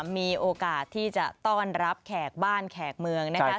มีโอกาสที่จะต้อนรับแขกบ้านแขกเมืองนะครับ